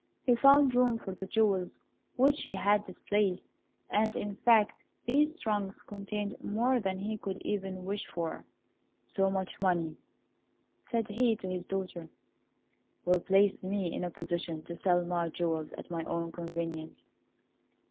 He found room for the jewels which he had displaced, and, in fact, these trunks contained more than he could even wish for. "So much money," said he to his daughter, "will place me in a position to sell my jewels at my own convenience.